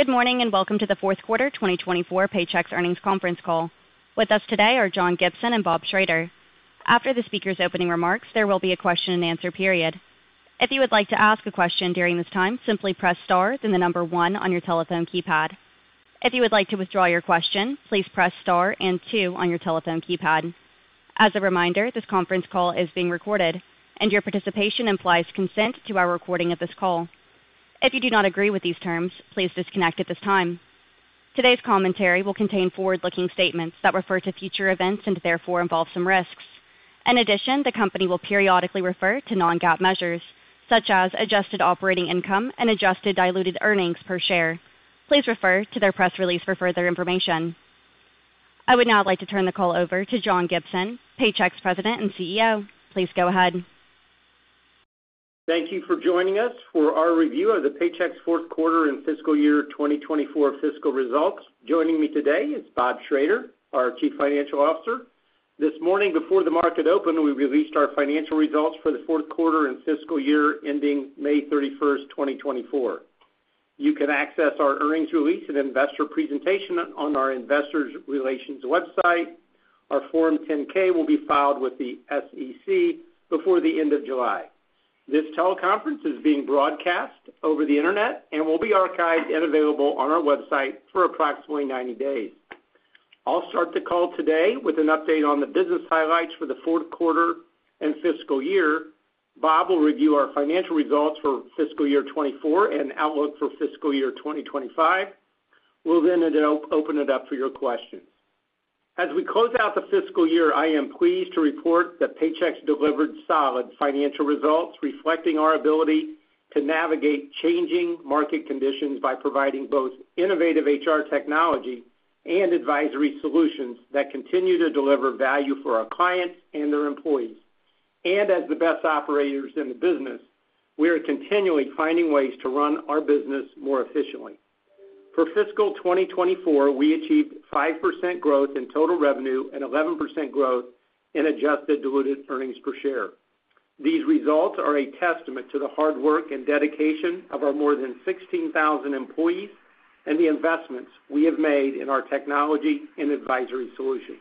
Good morning and welcome to the fourth quarter 2024 Paychex earnings conference call. With us today are John Gibson and Bob Schrader. After the speakers' opening remarks, there will be a question-and-answer period. If you would like to ask a question during this time, simply press star then one on your telephone keypad. If you would like to withdraw your question, please press star and two on your telephone keypad. As a reminder, this conference call is being recorded, and your participation implies consent to our recording of this call. If you do not agree with these terms, please disconnect at this time. Today's commentary will contain forward-looking statements that refer to future events and therefore involve some risks. In addition, the company will periodically refer to non-GAAP measures such as adjusted operating income and adjusted diluted earnings per share. Please refer to their press release for further information. I would now like to turn the call over to John Gibson, Paychex President and CEO. Please go ahead. Thank you for joining us for our review of the Paychex fourth quarter and fiscal year 2024 fiscal results. Joining me today is Bob Schrader, our Chief Financial Officer. This morning, before the market opened, we released our financial results for the fourth quarter and fiscal year ending May 31st, 2024. You can access our earnings release and investor presentation on our Investor Relations website. Our Form 10-K will be filed with the SEC before the end of July. This teleconference is being broadcast over the internet and will be archived and available on our website for approximately 90 days. I'll start the call today with an update on the business highlights for the fourth quarter and fiscal year. Bob will review our financial results for fiscal year 2024 and outlook for fiscal year 2025. We'll then open it up for your questions. As we close out the fiscal year, I am pleased to report that Paychex delivered solid financial results reflecting our ability to navigate changing market conditions by providing both innovative HR Technology and Advisory Solutions that continue to deliver value for our clients and their employees. As the best operators in the business, we are continually finding ways to run our business more efficiently. For fiscal 2024, we achieved 5% growth in total revenue and 11% growth in adjusted diluted earnings per share. These results are a testament to the hard work and dedication of our more than 16,000 employees and the investments we have made in our Technology and Advisory Solutions.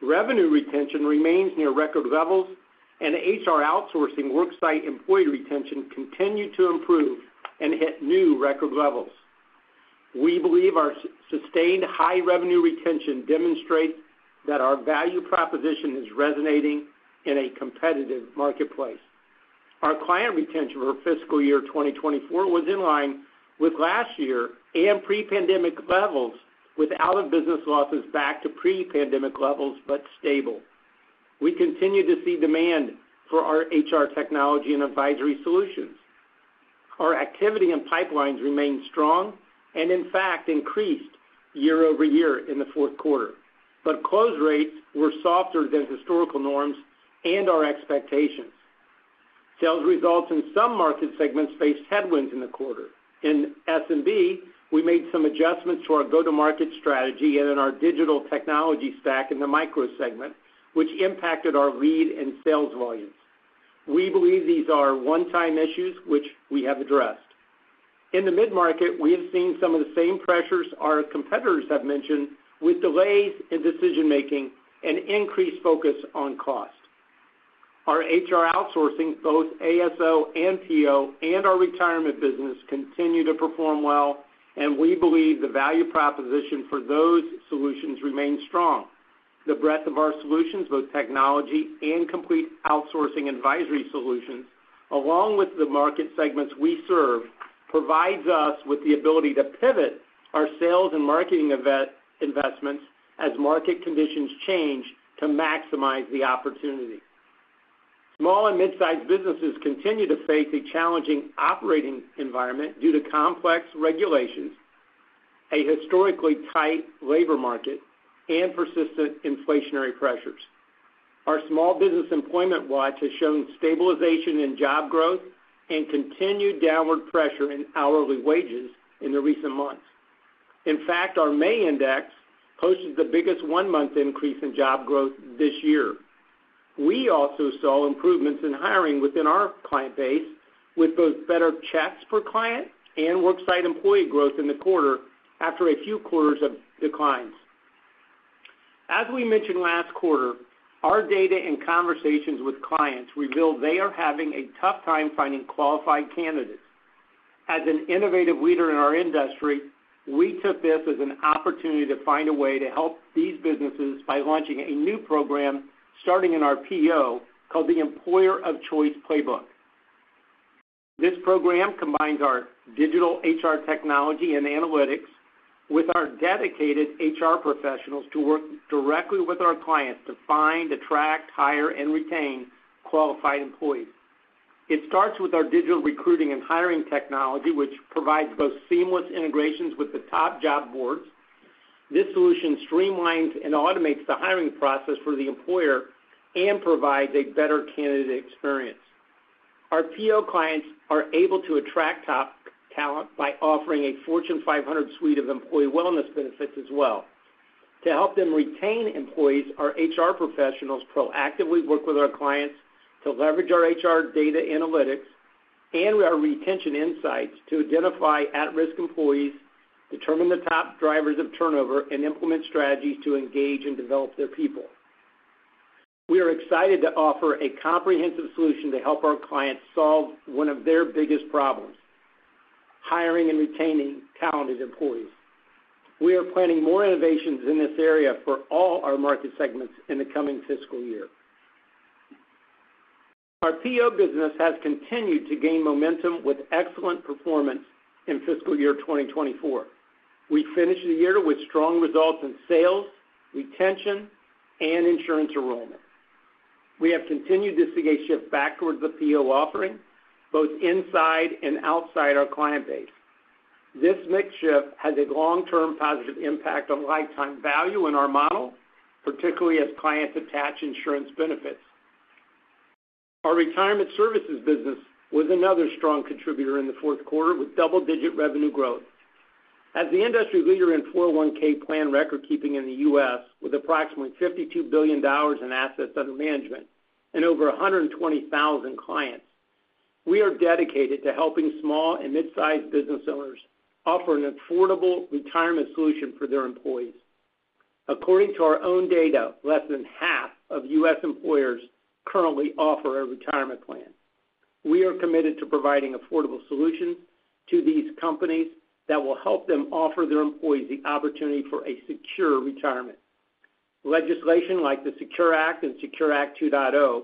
Revenue retention remains near record levels, and HR outsourcing worksite employee retention continued to improve and hit new record levels. We believe our sustained high revenue retention demonstrates that our value proposition is resonating in a competitive marketplace. Our client retention for fiscal year 2024 was in line with last year and pre-pandemic levels, with out-of-business losses back to pre-pandemic levels but stable. We continue to see demand for our HR Technology and Advisory Solutions. Our activity and pipelines remained strong and, in fact, increased year-over-year in the fourth quarter, but close rates were softer than historical norms and our expectations. Sales results in some market segments faced headwinds in the quarter. In SMB, we made some adjustments to our go-to-market strategy and in our digital technology stack in the micro segment, which impacted our lead and sales volumes. We believe these are one-time issues which we have addressed. In the mid-market, we have seen some of the same pressures our competitors have mentioned with delays in decision-making and increased focus on cost. Our HR outsourcing, both ASO and PEO, and our retirement business continue to perform well, and we believe the value proposition for those solutions remains strong. The breadth of our solutions, both technology and complete outsourcing advisory solutions, along with the market segments we serve, provides us with the ability to pivot our sales and marketing investments as market conditions change to maximize the opportunity. Small and mid-sized businesses continue to face a challenging operating environment due to complex regulations, a historically tight labor market, and persistent inflationary pressures. Our Small Business Employment Watch has shown stabilization in job growth and continued downward pressure in hourly wages in the recent months. In fact, our May index posted the biggest one-month increase in job growth this year. We also saw improvements in hiring within our client base, with both better checks per client and worksite employee growth in the quarter after a few quarters of declines. As we mentioned last quarter, our data and conversations with clients reveal they are having a tough time finding qualified candidates. As an innovative leader in our industry, we took this as an opportunity to find a way to help these businesses by launching a new program starting in our PEO called the Employer of Choice Playbook. This program combines our digital HR Technology and Analytics with our dedicated HR professionals to work directly with our clients to find, attract, hire, and retain qualified employees. It starts with our digital recruiting and hiring technology, which provides both seamless integrations with the top job boards. This solution streamlines and automates the hiring process for the employer and provides a better candidate experience. Our PEO clients are able to attract top talent by offering a Fortune 500 suite of employee wellness benefits as well. To help them retain employees, our HR professionals proactively work with our clients to leverage our HR data analytics and our retention insights to identify at-risk employees, determine the top drivers of turnover, and implement strategies to engage and develop their people. We are excited to offer a comprehensive solution to help our clients solve one of their biggest problems: hiring and retaining talented employees. We are planning more innovations in this area for all our market segments in the coming fiscal year. Our PEO business has continued to gain momentum with excellent performance in fiscal year 2024. We finished the year with strong results in sales, retention, and insurance enrollment. We have continued to see a shift back towards the PEO offering, both inside and outside our client base. This mixture has a long-term positive impact on lifetime value in our model, particularly as clients attach insurance benefits. Our retirement services business was another strong contributor in the fourth quarter with double-digit revenue growth. As the industry leader in 401(k) plan record-keeping in the U.S., with approximately $52 billion in assets under management and over 120,000 clients, we are dedicated to helping small and mid-sized business owners offer an affordable retirement solution for their employees. According to our own data, less than half of U.S. employers currently offer a retirement plan. We are committed to providing affordable solutions to these companies that will help them offer their employees the opportunity for a secure retirement. Legislation like the SECURE Act and SECURE Act 2.0,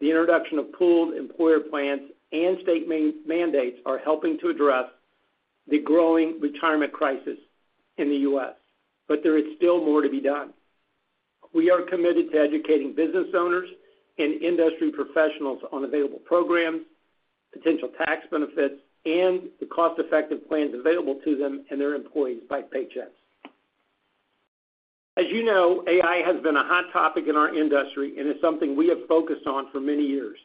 the introduction of pooled employer plans and state mandates are helping to address the growing retirement crisis in the U.S., but there is still more to be done. We are committed to educating business owners and industry professionals on available programs, potential tax benefits, and the cost-effective plans available to them and their employees by Paychex. As you know, AI has been a hot topic in our industry and is something we have focused on for many years.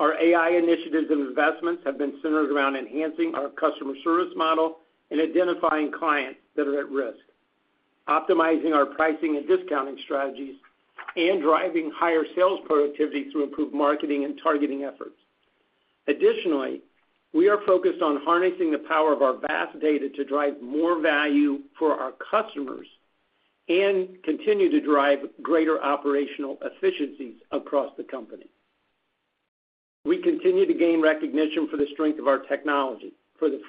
Our AI initiatives and investments have been centered around enhancing our customer service model and identifying clients that are at risk, optimizing our pricing and discounting strategies, and driving higher sales productivity through improved marketing and targeting efforts. Additionally, we are focused on harnessing the power of our vast data to drive more value for our customers and continue to drive greater operational efficiencies across the company. We continue to gain recognition for the strength of our technology. For the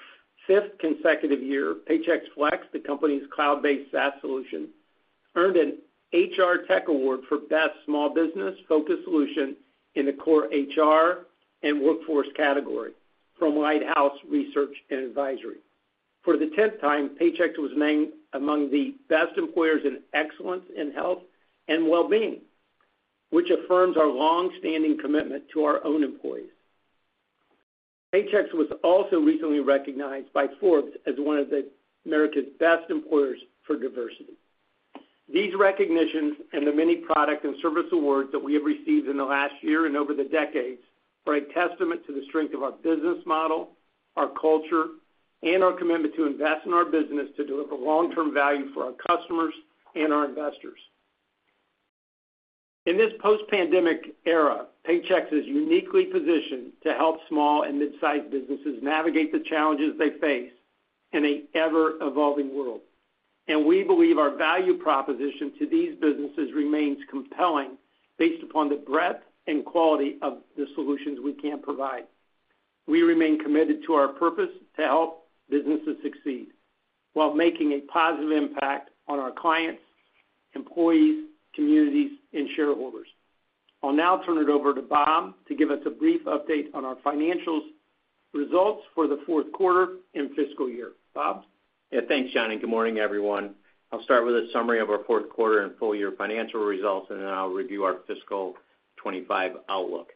fifth consecutive year, Paychex Flex, the company's cloud-based SaaS solution, earned an HR Tech Award for Best Small Business-Focused Solution in the Core HR and Workforce category from Lighthouse Research & Advisory. For the tenth time, Paychex was named among the Best Employers in Excellence in Health and Well-being, which affirms our long-standing commitment to our own employees. Paychex was also recently recognized by Forbes as one of America's Best Employers for Diversity. These recognitions and the many product and service awards that we have received in the last year and over the decades are a testament to the strength of our business model, our culture, and our commitment to invest in our business to deliver long-term value for our customers and our investors. In this post-pandemic era, Paychex is uniquely positioned to help small and mid-sized businesses navigate the challenges they face in an ever-evolving world. We believe our value proposition to these businesses remains compelling based upon the breadth and quality of the solutions we can provide. We remain committed to our purpose to help businesses succeed while making a positive impact on our clients, employees, communities, and shareholders. I'll now turn it over to Bob to give us a brief update on our financial results for the fourth quarter and fiscal year. Bob. Yeah thanks John. Good morning everyone. I'll start with a summary of our fourth quarter and full year financial results, and then I'll review our fiscal 2025 outlook.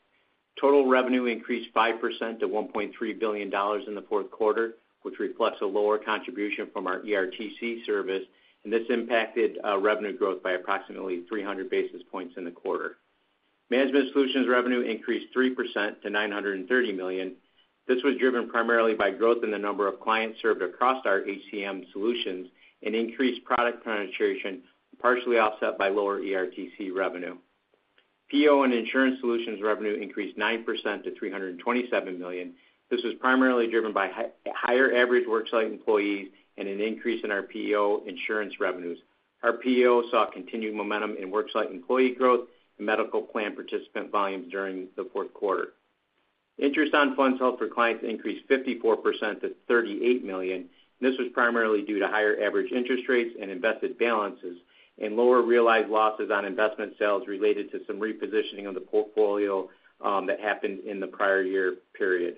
Total revenue increased 5% to $1.3 billion in the fourth quarter, which reflects a lower contribution from our ERTC service, and this impacted revenue growth by approximately 300 basis points in the quarter. Management Solutions revenue increased 3% to $930 million. This was driven primarily by growth in the number of clients served across our HCM Solutions and increased product penetration, partially offset by lower ERTC revenue. PEO and Insurance Solutions revenue increased 9% to $327 million. This was primarily driven by higher average worksite employees and an increase in our PEO insurance revenues. Our PEO saw continued momentum in worksite employee growth and medical plan participant volumes during the fourth quarter. Interest on funds held for clients increased 54% to $38 million. This was primarily due to higher average interest rates and invested balances and lower realized losses on investment sales related to some repositioning of the portfolio that happened in the prior year period.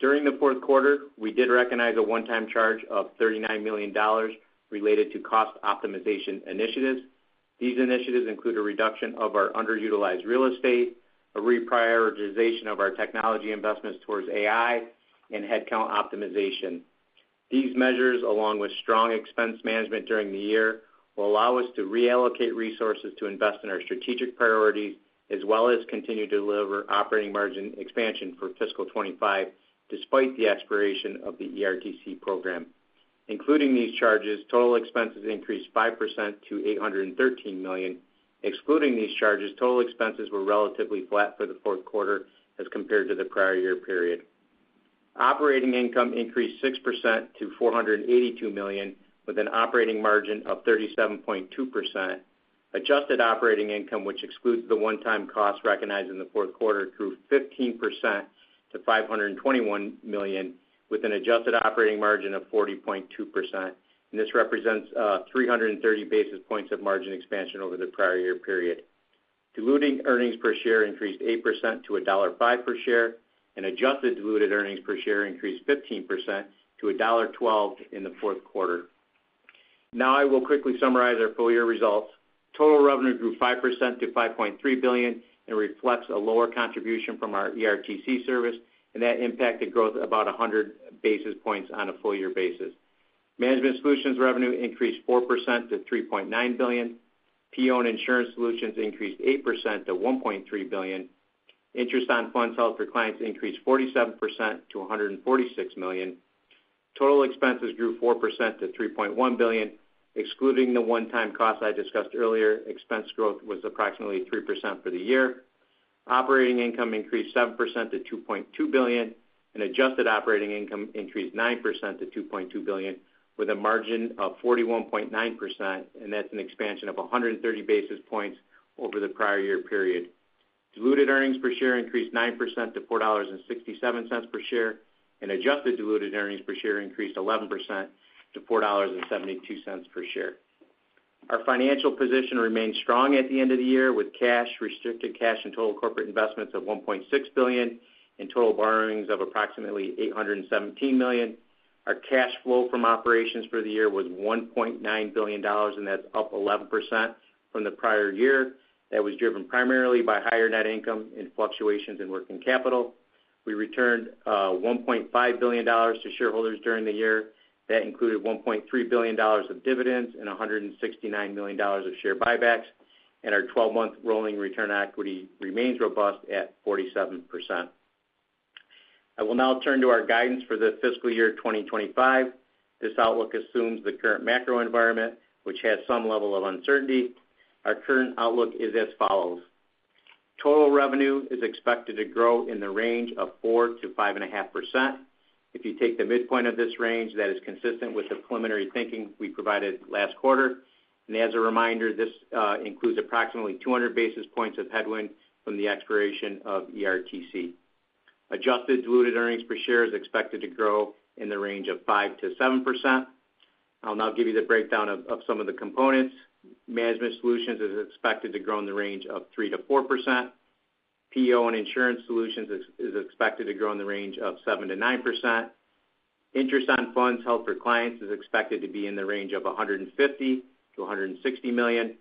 During the fourth quarter, we did recognize a one-time charge of $39 million related to cost optimization initiatives. These initiatives include a reduction of our underutilized real estate, a reprioritization of our technology investments towards AI, and headcount optimization. These measures, along with strong expense management during the year, will allow us to reallocate resources to invest in our strategic priorities as well as continue to deliver operating margin expansion for fiscal 2025 despite the expiration of the ERTC program. Including these charges, total expenses increased 5% to $813 million. Excluding these charges, total expenses were relatively flat for the fourth quarter as compared to the prior year period. Operating income increased 6% to $482 million with an operating margin of 37.2%. Adjusted operating income, which excludes the one-time cost recognized in the fourth quarter, grew 15% to $521 million with an adjusted operating margin of 40.2%. This represents 330 basis points of margin expansion over the prior year period. Diluted earnings per share increased 8% to $1.05 per share, and adjusted diluted earnings per share increased 15% to $1.12 in the fourth quarter. Now I will quickly summarize our full year results. Total revenue grew 5% to $5.3 billion and reflects a lower contribution from our ERTC service, and that impacted growth about 100 basis points on a full year basis. Management Solutions revenue increased 4% to $3.9 billion. PEO and Insurance Solutions increased 8% to $1.3 billion. Interest on funds held for clients increased 47% to $146 million. Total expenses grew 4% to $3.1 billion. Excluding the one-time costs I discussed earlier, expense growth was approximately 3% for the year. Operating income increased 7% to $2.2 billion, and adjusted operating income increased 9% to $2.2 billion with a margin of 41.9%, and that's an expansion of 130 basis points over the prior year period. Diluted earnings per share increased 9% to $4.67 per share, and adjusted diluted earnings per share increased 11% to $4.72 per share. Our financial position remained strong at the end of the year with cash, restricted cash, and total corporate investments of $1.6 billion and total borrowings of approximately $817 million. Our cash flow from operations for the year was $1.9 billion, and that's up 11% from the prior year. That was driven primarily by higher net income and fluctuations in working capital. We returned $1.5 billion to shareholders during the year. That included $1.3 billion of dividends and $169 million of share buybacks, and our 12-month rolling return on equity remains robust at 47%. I will now turn to our guidance for the fiscal year 2025. This outlook assumes the current macro environment, which has some level of uncertainty. Our current outlook is as follows. Total revenue is expected to grow in the range of 4%-5.5%. If you take the midpoint of this range, that is consistent with the preliminary thinking we provided last quarter. And as a reminder, this includes approximately 200 basis points of headwind from the expiration of ERTC. Adjusted diluted earnings per share is expected to grow in the range of 5%-7%. I'll now give you the breakdown of some of the components. Management Solutions is expected to grow in the range of 3%-4%. PEO and Insurance Solutions is expected to grow in the range of 7%-9%. Interest on funds held for clients is expected to be in the range of $150 million-$160 million.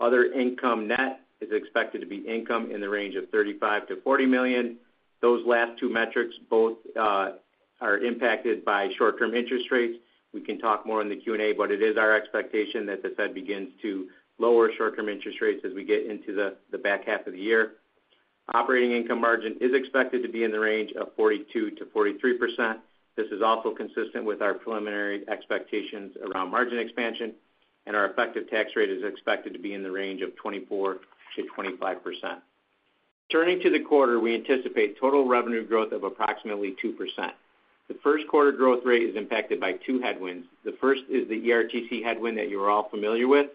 Other income net is expected to be income in the range of $35 million-$40 million. Those last two metrics both are impacted by short-term interest rates. We can talk more in the Q&A, but it is our expectation that the Fed begins to lower short-term interest rates as we get into the back half of the year. Operating income margin is expected to be in the range of 42%-43%. This is also consistent with our preliminary expectations around margin expansion, and our effective tax rate is expected to be in the range of 24%-25%. Turning to the quarter, we anticipate total revenue growth of approximately 2%. The first quarter growth rate is impacted by two headwinds. The first is the ERTC headwind that you're all familiar with.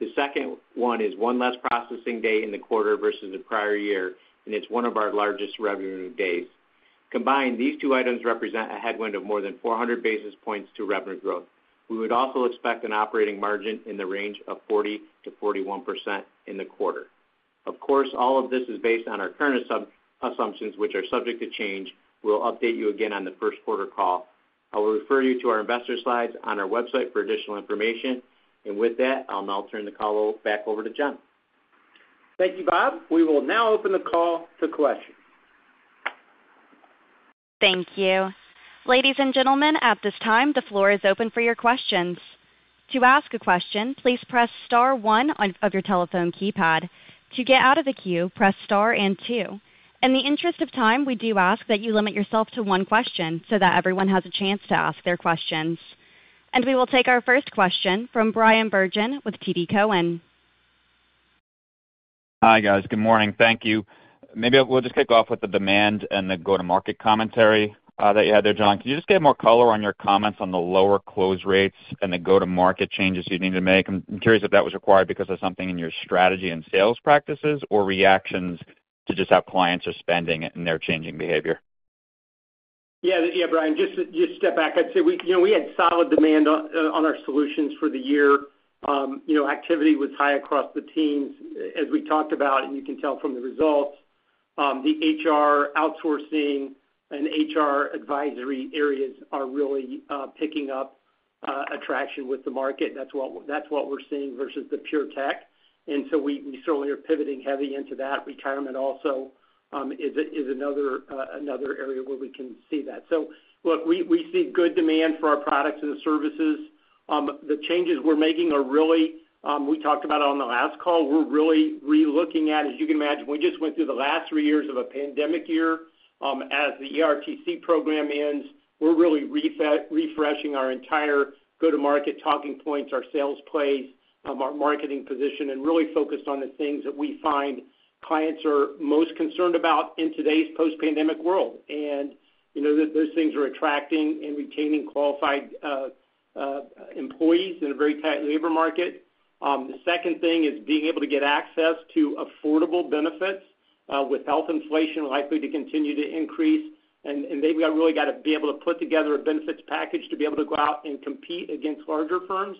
The second one is one less processing day in the quarter versus the prior year, and it's one of our largest revenue days. Combined, these two items represent a headwind of more than 400 basis points to revenue growth. We would also expect an operating margin in the range of 40%-41% in the quarter. Of course, all of this is based on our current assumptions, which are subject to change. We'll update you again on the first quarter call. I will refer you to our investor slides on our website for additional information. With that, I'll now turn the call back over to John. Thank you, Bob. We will now open the call to questions. Thank you. Ladies and gentlemen, at this time, the floor is open for your questions. To ask a question, please press star one of your telephone keypad. To get out of the queue, press star and two. In the interest of time, we do ask that you limit yourself to one question so that everyone has a chance to ask their questions. We will take our first question from Bryan Bergin with TD Cowen. Hi, guys. Good morning. Thank you. Maybe we'll just kick off with the demand and the go-to-market commentary that you had there, John. Can you just get more color on your comments on the lower close rates and the go-to-market changes you need to make? I'm curious if that was required because of something in your strategy and sales practices or reactions to just how clients are spending and their changing behavior. Yeah yeah Bryan just step back. I'd say we had solid demand on our solutions for the year. Activity was high across the teams, as we talked about, and you can tell from the results. The HR outsourcing and HR advisory areas are really picking up traction with the market. That's what we're seeing versus the pure tech. And so we certainly are pivoting heavy into that. Retirement also is another area where we can see that. So look, we see good demand for our products and services. The changes we're making are really - we talked about it on the last call - we're really relooking at, as you can imagine, we just went through the last three years of a pandemic year. As the ERTC program ends, we're really refreshing our entire go-to-market talking points, our sales plays, our marketing position, and really focused on the things that we find clients are most concerned about in today's post-pandemic world. Those things are attracting and retaining qualified employees in a very tight labor market. The second thing is being able to get access to affordable benefits with health inflation likely to continue to increase. They've really got to be able to put together a benefits package to be able to go out and compete against larger firms.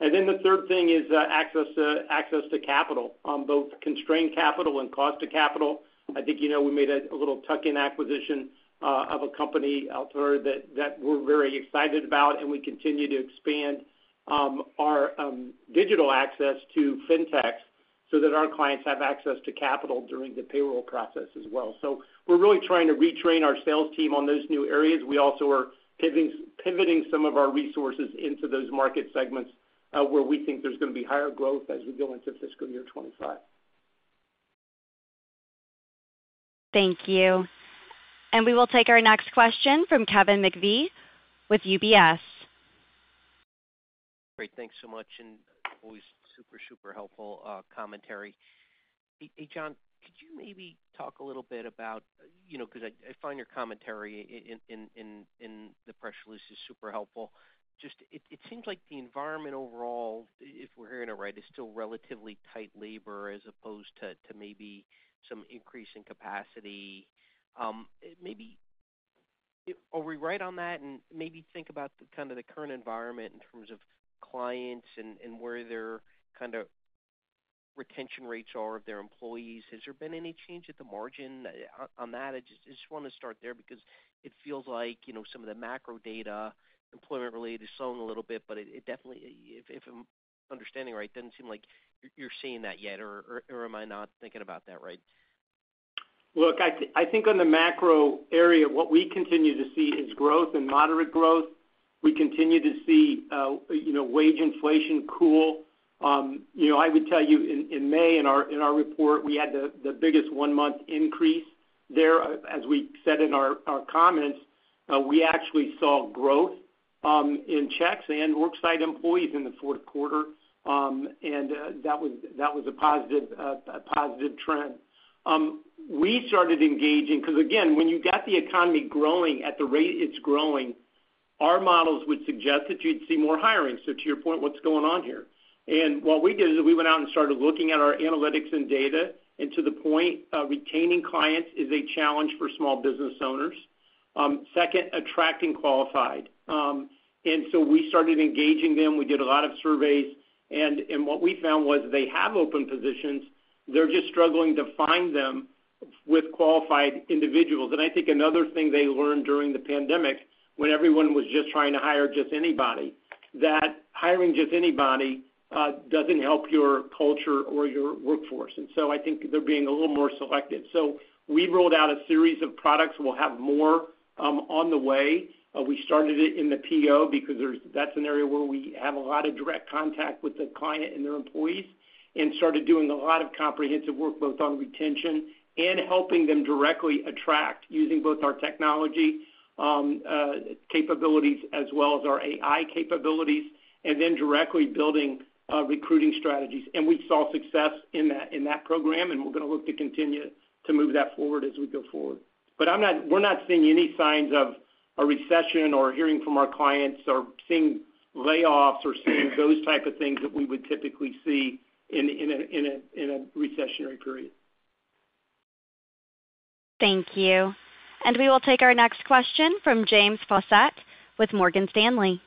Then the third thing is access to capital, both constrained capital and cost of capital. I think we made a little tuck-in acquisition of a company out there that we're very excited about, and we continue to expand our digital access to fintechs so that our clients have access to capital during the payroll process as well. We're really trying to retrain our sales team on those new areas. We also are pivoting some of our resources into those market segments where we think there's going to be higher growth as we go into fiscal year 2025. Thank you. We will take our next question from Kevin McVeigh with UBS. Great. Thanks so much. And always super, super helpful commentary. Hey, John, could you maybe talk a little bit about, because I find your commentary in the press release is super helpful. Just, it seems like the environment overall, if we're hearing it right, is still relatively tight labor as opposed to maybe some increase in capacity. Maybe are we right on that? And maybe think about kind of the current environment in terms of clients and where their kind of retention rates are of their employees. Has there been any change at the margin on that? I just want to start there because it feels like some of the macro data employment-related is slowing a little bit, but it definitely, if I'm understanding right, doesn't seem like you're seeing that yet, or am I not thinking about that right? Look, I think on the macro area, what we continue to see is growth and moderate growth. We continue to see wage inflation cool. I would tell you in May in our report, we had the biggest one-month increase there. As we said in our comments, we actually saw growth in checks and worksite employees in the fourth quarter. And that was a positive trend. We started engaging because, again, when you got the economy growing at the rate it's growing, our models would suggest that you'd see more hiring. So to your point, what's going on here? And what we did is we went out and started looking at our analytics and data and to the point, retaining clients is a challenge for small business owners. Second, attracting qualified. And so we started engaging them. We did a lot of surveys. What we found was they have open positions. They're just struggling to find them with qualified individuals. And I think another thing they learned during the pandemic when everyone was just trying to hire just anybody, that hiring just anybody doesn't help your culture or your workforce. And so I think they're being a little more selective. So we rolled out a series of products. We'll have more on the way. We started it in the PEO because that's an area where we have a lot of direct contact with the client and their employees and started doing a lot of comprehensive work both on retention and helping them directly attract using both our technology capabilities as well as our AI capabilities and then directly building recruiting strategies. We saw success in that program, and we're going to look to continue to move that forward as we go forward. We're not seeing any signs of a recession or hearing from our clients or seeing layoffs or seeing those types of things that we would typically see in a recessionary period. Thank you. We will take our next question from James Faucette with Morgan Stanley.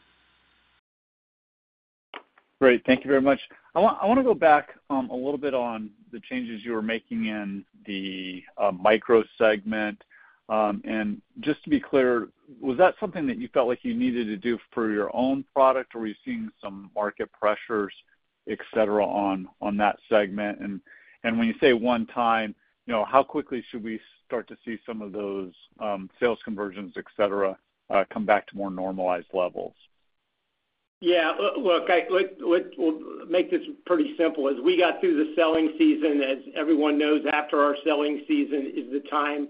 Great. Thank you very much. I want to go back a little bit on the changes you were making in the micro segment. Just to be clear, was that something that you felt like you needed to do for your own product, or were you seeing some market pressures, etc., on that segment? When you say one time, how quickly should we start to see some of those sales conversions, etc., come back to more normalized levels? Yeah. Look, let's make this pretty simple. As we got through the selling season, as everyone knows, after our selling season is the time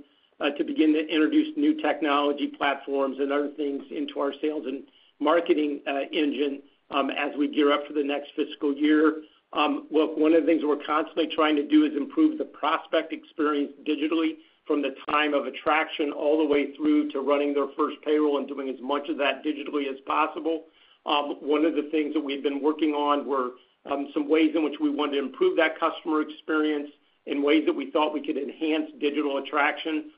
to begin to introduce new technology platforms and other things into our sales and marketing engine as we gear up for the next fiscal year. Look, one of the things we're constantly trying to do is improve the prospect experience digitally from the time of attraction all the way through to running their first payroll and doing as much of that digitally as possible. One of the things that we've been working on were some ways in which we wanted to improve that customer experience in ways that we thought we could enhance digital attraction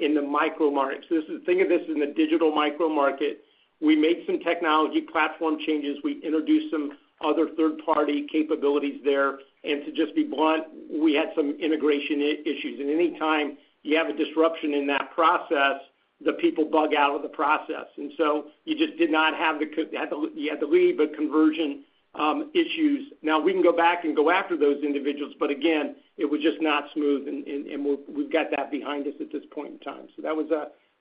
in the micro market. So think of this as the digital micro market. We made some technology platform changes. We introduced some other third-party capabilities there. To just be blunt, we had some integration issues. Any time you have a disruption in that process, the people bug out of the process. So you just did not have the—you had to leave the conversion issues. Now, we can go back and go after those individuals, but again, it was just not smooth, and we've got that behind us at this point in time. That was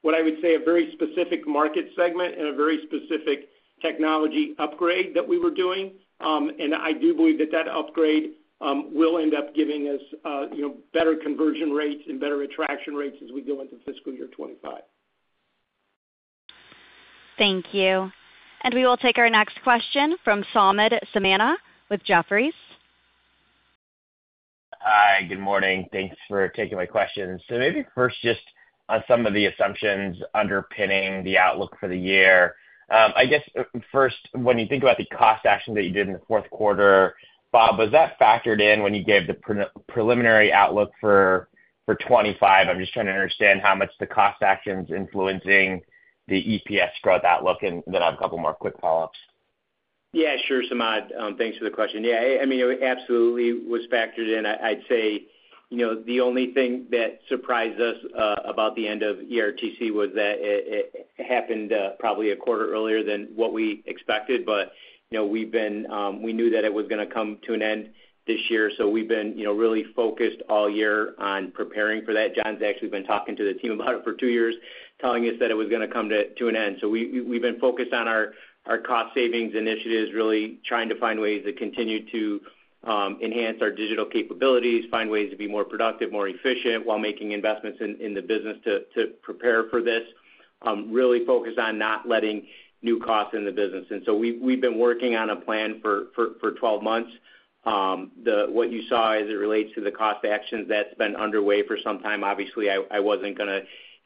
what I would say a very specific market segment and a very specific technology upgrade that we were doing. I do believe that that upgrade will end up giving us better conversion rates and better attraction rates as we go into fiscal year 2025. Thank you. We will take our next question from Samad Samana with Jefferies. Hi. Good morning. Thanks for taking my question. So maybe first just on some of the assumptions underpinning the outlook for the year. I guess first, when you think about the cost actions that you did in the fourth quarter, Bob, was that factored in when you gave the preliminary outlook for 2025? I'm just trying to understand how much the cost actions are influencing the EPS growth outlook. And then I have a couple more quick follow-ups. Yeah sure Samad. Thanks for the question. Yeah. I mean, it absolutely was factored in. I'd say the only thing that surprised us about the end of ERTC was that it happened probably a quarter earlier than what we expected. But we knew that it was going to come to an end this year. So we've been really focused all year on preparing for that. John's actually been talking to the team about it for two years, telling us that it was going to come to an end. So we've been focused on our cost savings initiatives, really trying to find ways to continue to enhance our digital capabilities, find ways to be more productive, more efficient while making investments in the business to prepare for this, really focus on not letting new costs in the business. And so we've been working on a plan for 12 months. What you saw as it relates to the cost actions that's been underway for some time, obviously, I wasn't going to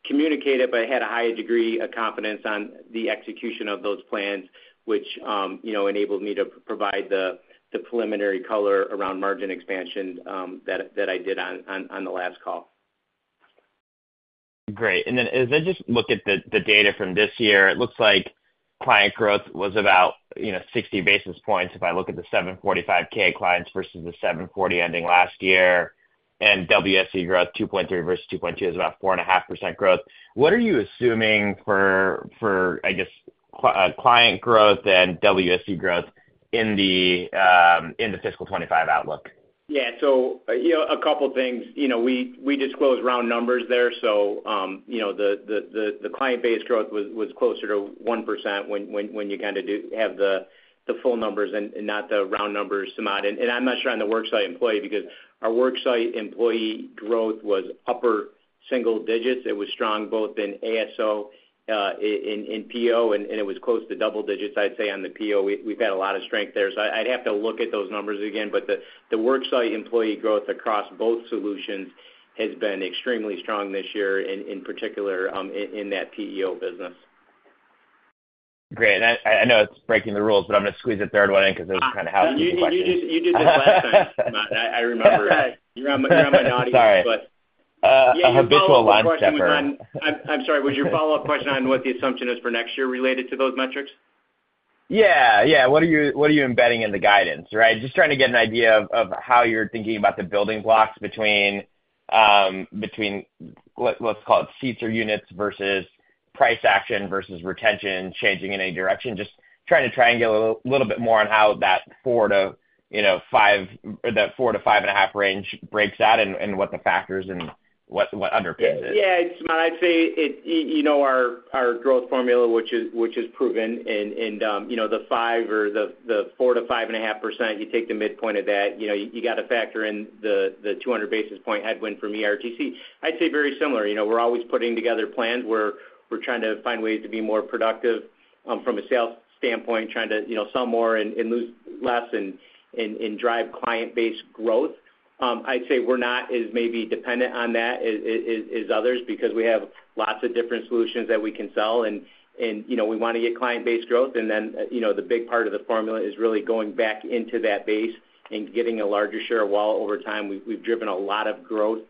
communicate it, but I had a high degree of confidence on the execution of those plans, which enabled me to provide the preliminary color around margin expansion that I did on the last call. Great. And then as I just look at the data from this year, it looks like client growth was about 60 basis points if I look at the 745K clients versus the 740 ending last year. And WSE growth, 2.3 versus 2.2, is about 4.5% growth. What are you assuming for, I guess, client growth and WSE growth in the fiscal 2025 outlook? Yeah. So a couple of things. We disclose round numbers there. So the client-based growth was closer to 1% when you kind of have the full numbers and not the round numbers, Samad. And I'm not sure on the worksite employee because our worksite employee growth was upper single digits. It was strong both in ASO and PEO, and it was close to double digits, I'd say, on the PEO. We've had a lot of strength there. So I'd have to look at those numbers again. But the worksite employee growth across both solutions has been extremely strong this year, in particular in that PEO business. Great. I know it's breaking the rules, but I'm going to squeeze a third one in because it was kind of housekeeping questions. You did this last time, Samad. I remember. You're on my naughty end, but. Sorry. I'm habitual once ever. I'm sorry. Was your follow-up question on what the assumption is for next year related to those metrics? Yeah. Yeah. What are you embedding in the guidance, right? Just trying to get an idea of how you're thinking about the building blocks between, let's call it, seats or units versus price action versus retention changing in any direction. Just trying to triangle a little bit more on how that 4-5 or that 4-5.5 range breaks out and what the factors and what underpins it. Yeah. Yeah, Samad. I'd say our growth formula, which is proven, and the 4%-5.5%, you take the midpoint of that. You got to factor in the 200 basis point headwind from ERTC. I'd say very similar. We're always putting together plans. We're trying to find ways to be more productive from a sales standpoint, trying to sell more and lose less and drive client-based growth. I'd say we're not as maybe dependent on that as others because we have lots of different solutions that we can sell. And we want to get client-based growth. And then the big part of the formula is really going back into that base and getting a larger share of wallet over time. We've driven a lot of growth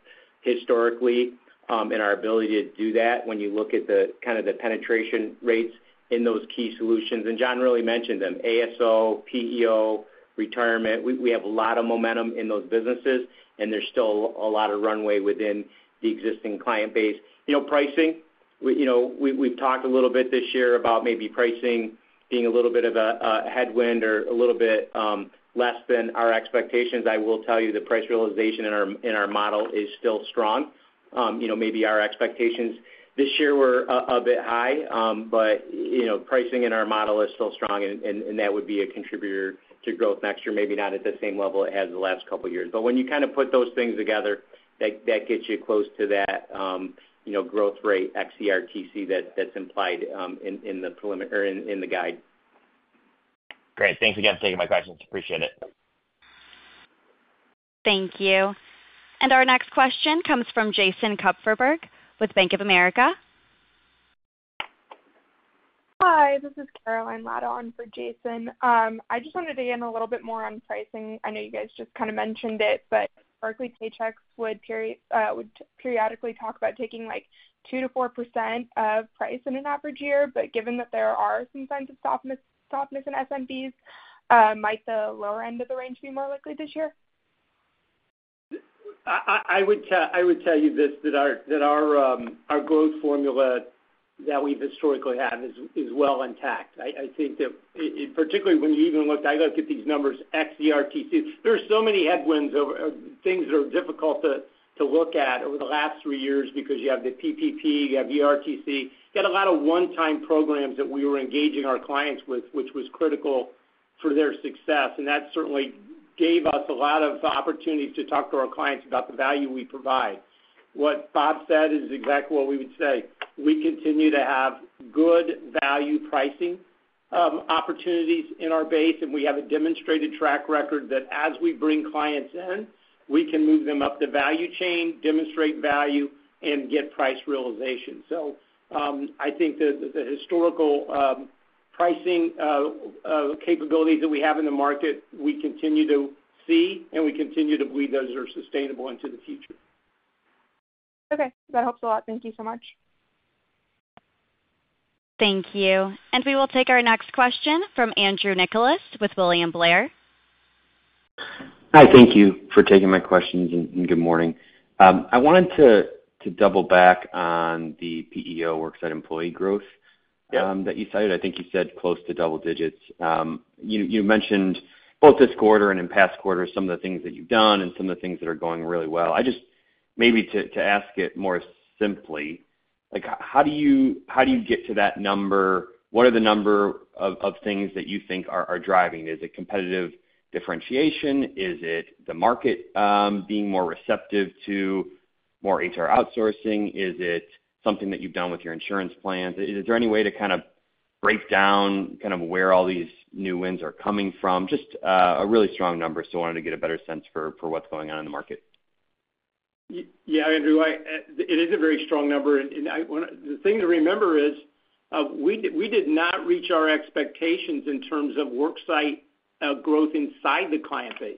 historically in our ability to do that when you look at kind of the penetration rates in those key solutions. And John really mentioned them, ASO, PEO, retirement. We have a lot of momentum in those businesses, and there's still a lot of runway within the existing client base. Pricing, we've talked a little bit this year about maybe pricing being a little bit of a headwind or a little bit less than our expectations. I will tell you the price realization in our model is still strong. Maybe our expectations this year were a bit high, but pricing in our model is still strong, and that would be a contributor to growth next year, maybe not at the same level it has the last couple of years. But when you kind of put those things together, that gets you close to that growth rate ex-ERTC that's implied in the guide. Great. Thanks again for taking my questions. Appreciate it. Thank you. Our next question comes from Jason Kupferberg with Bank of America. Hi. This is Caroline Latta on for Jason. I just wanted to get in a little bit more on pricing. I know you guys just kind of mentioned it, but typically Paychex would periodically talk about taking like 2%-4% of price in an average year. But given that there are some signs of softness in SMBs, might the lower end of the range be more likely this year? I would tell you this: that our growth formula that we've historically had is well intact. I think that particularly when you even looked, I looked at these numbers, ERTC, there are so many headwinds, things that are difficult to look at over the last three years because you have the PPP, you have ERTC. You got a lot of one-time programs that we were engaging our clients with, which was critical for their success. And that certainly gave us a lot of opportunities to talk to our clients about the value we provide. What Bob said is exactly what we would say. We continue to have good value pricing opportunities in our base, and we have a demonstrated track record that as we bring clients in, we can move them up the value chain, demonstrate value, and get price realization. I think that the historical pricing capabilities that we have in the market, we continue to see, and we continue to believe those are sustainable into the future. Okay. That helps a lot. Thank you so much. Thank you. We will take our next question from Andrew Nicholas with William Blair. Hi. Thank you for taking my questions, and good morning. I wanted to double back on the PEO worksite employee growth that you cited. I think you said close to double digits. You mentioned both this quarter and in past quarters some of the things that you've done and some of the things that are going really well. I just maybe to ask it more simply, how do you get to that number? What are the number of things that you think are driving? Is it competitive differentiation? Is it the market being more receptive to more HR outsourcing? Is it something that you've done with your insurance plans? Is there any way to kind of break down kind of where all these new wins are coming from? Just a really strong number, so I wanted to get a better sense for what's going on in the market. Yeah, Andrew. It is a very strong number. The thing to remember is we did not reach our expectations in terms of worksite growth inside the client base.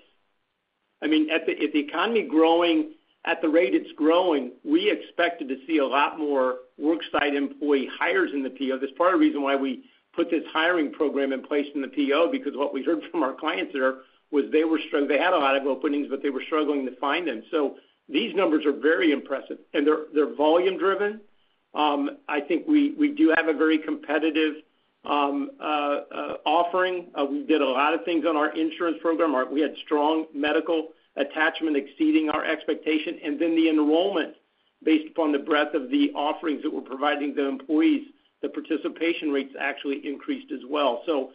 I mean, if the economy is growing at the rate it's growing, we expected to see a lot more worksite employee hires in the PEO. That's part of the reason why we put this hiring program in place in the PEO because what we heard from our clients there was they had a lot of openings, but they were struggling to find them. These numbers are very impressive, and they're volume-driven. I think we do have a very competitive offering. We did a lot of things on our insurance program. We had strong medical attachment exceeding our expectation. And then the enrollment, based upon the breadth of the offerings that we're providing the employees, the participation rates actually increased as well. So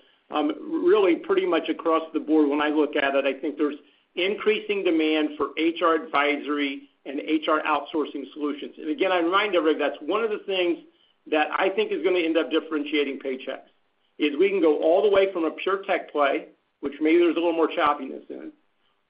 really, pretty much across the board, when I look at it, I think there's increasing demand for HR advisory and HR outsourcing solutions. And again, I remind everybody that's one of the things that I think is going to end up differentiating Paychex is we can go all the way from a pure tech play, which maybe there's a little more choppiness in,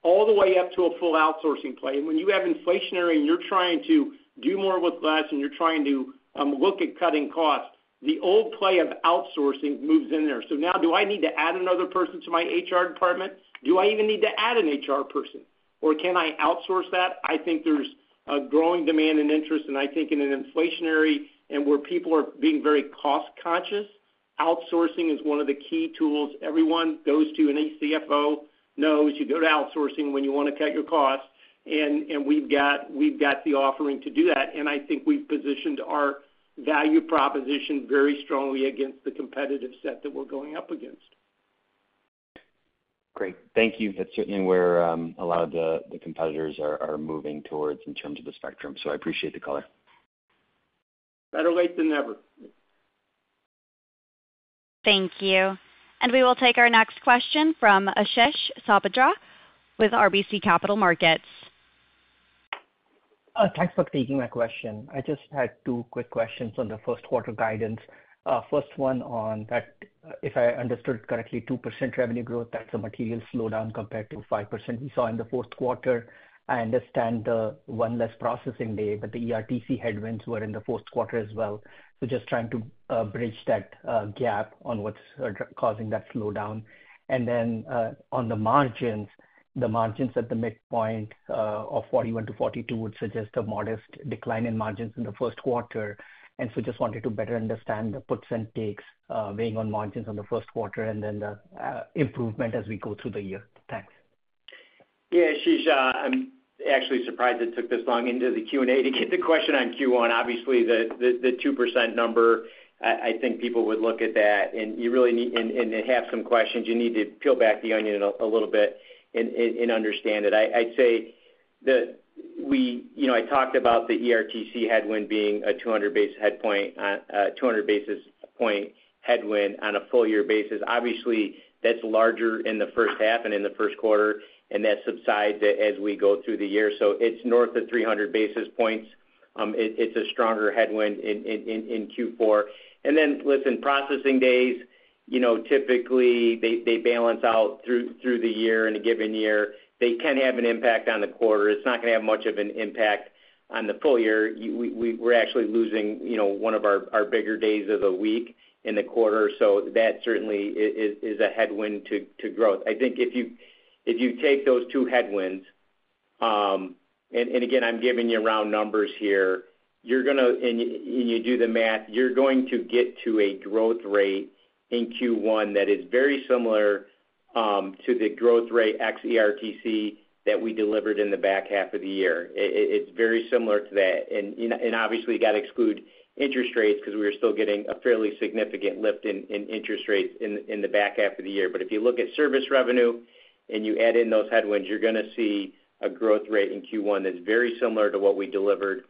all the way up to a full outsourcing play. And when you have inflationary and you're trying to do more with less and you're trying to look at cutting costs, the old play of outsourcing moves in there. So now, do I need to add another person to my HR department? Do I even need to add an HR person? Or can I outsource that? I think there's a growing demand and interest. And I think in an inflationary and where people are being very cost-conscious, outsourcing is one of the key tools everyone goes to. And a CFO knows you go to outsourcing when you want to cut your cost. And we've got the offering to do that. And I think we've positioned our value proposition very strongly against the competitive set that we're going up against. Great. Thank you. That's certainly where a lot of the competitors are moving towards in terms of the spectrum. So I appreciate the color. Better late than never. Thank you. We will take our next question from Ashish Sabadra with RBC Capital Markets. Thanks for taking my question. I just had two quick questions on the first quarter guidance. First one on that, if I understood correctly, 2% revenue growth, that's a material slowdown compared to 5% we saw in the fourth quarter. I understand the one less processing day, but the ERTC headwinds were in the fourth quarter as well. So just trying to bridge that gap on what's causing that slowdown. And then on the margins, the margins at the midpoint of 41%-42% would suggest a modest decline in margins in the first quarter. And so just wanted to better understand the puts and takes weighing on margins in the first quarter and then the improvement as we go through the year. Thanks. Yeah. Ashish, I'm actually surprised it took this long into the Q&A to get the question on Q1. Obviously, the 2% number, I think people would look at that and you really need and have some questions. You need to peel back the onion a little bit and understand it. I'd say that I talked about the ERTC headwind being a 200 basis points headwind on a full year basis. Obviously, that's larger in the first half and in the first quarter, and that subsides as we go through the year. So it's north of 300 basis points. It's a stronger headwind in Q4. And then, listen, processing days, typically, they balance out through the year in a given year. They can have an impact on the quarter. It's not going to have much of an impact on the full year. We're actually losing one of our bigger days of the week in the quarter. So that certainly is a headwind to growth. I think if you take those two headwinds—and again, I'm giving you round numbers here—and you do the math, you're going to get to a growth rate in Q1 that is very similar to the growth rate ex-ERTC that we delivered in the back half of the year. It's very similar to that. And obviously, you got to exclude interest rates because we were still getting a fairly significant lift in interest rates in the back half of the year. But if you look at service revenue and you add in those headwinds, you're going to see a growth rate in Q1 that's very similar to what we delivered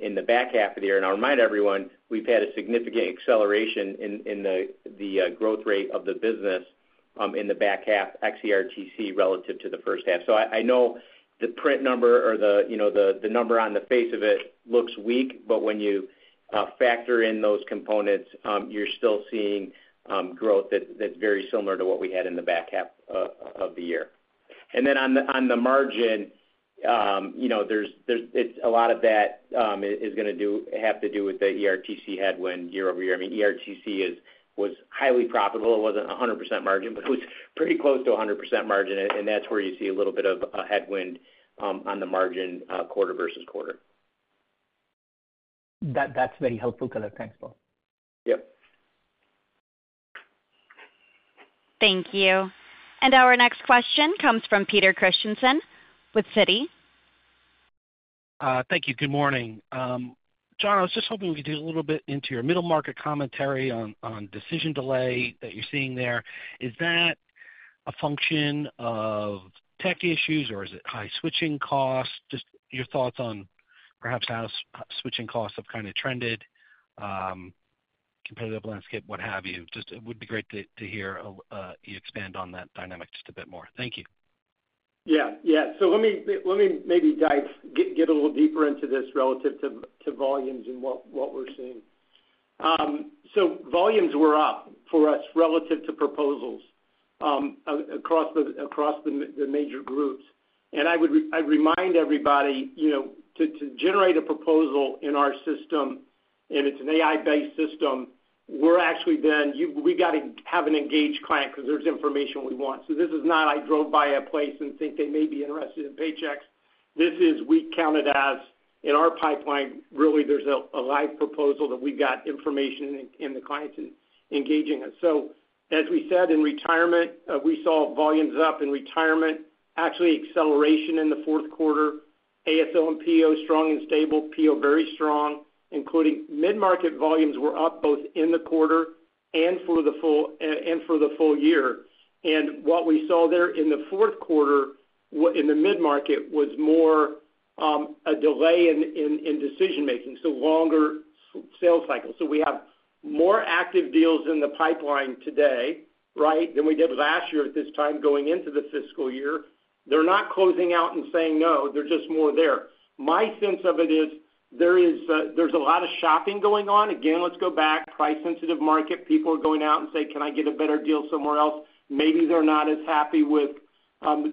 in the back half of the year. And I'll remind everyone, we've had a significant acceleration in the growth rate of the business in the back half of ERTC relative to the first half. So I know the print number or the number on the face of it looks weak, but when you factor in those components, you're still seeing growth that's very similar to what we had in the back half of the year. And then on the margin, there's a lot of that is going to have to do with the ERTC headwind year-over-year. I mean, ERTC was highly profitable. It wasn't a 100% margin, but it was pretty close to a 100% margin. And that's where you see a little bit of a headwind on the margin quarter-over-quarter. That's very helpful color. Thanks, Bob. Yep. Thank you. And our next question comes from Peter Christiansen with Citi. Thank you. Good morning. John, I was just hoping we could do a little bit into your middle market commentary on decision delay that you're seeing there. Is that a function of tech issues, or is it high switching costs? Just your thoughts on perhaps how switching costs have kind of trended competitive landscape, what have you. Just it would be great to hear you expand on that dynamic just a bit more. Thank you. Yeah. Yeah. So let me maybe dive get a little deeper into this relative to volumes and what we're seeing. So volumes were up for us relative to proposals across the major groups. And I would remind everybody to generate a proposal in our system. And it's an AI-based system. We're actually then we got to have an engaged client because there's information we want. So this is not, "I drove by a place and think they may be interested in Paychex." This is, "We counted as in our pipeline, really there's a live proposal that we've got information in the clients engaging us." So as we said, in retirement, we saw volumes up in retirement, actually acceleration in the fourth quarter. ASO and PEO strong and stable. PEO very strong, including mid-market volumes were up both in the quarter and for the full year. What we saw there in the fourth quarter in the mid-market was more a delay in decision-making, so longer sales cycles. So we have more active deals in the pipeline today, right, than we did last year at this time going into the fiscal year. They're not closing out and saying no. They're just more there. My sense of it is there's a lot of shopping going on. Again, let's go back. Price-sensitive market. People are going out and say, "Can I get a better deal somewhere else?" Maybe they're not as happy with